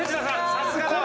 さすがだわ。